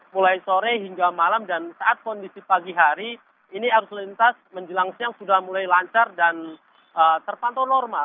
mulai sore hingga malam dan saat kondisi pagi hari ini arus lintas menjelang siang sudah mulai lancar dan terpantau normal